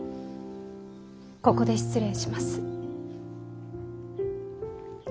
ここで失礼します。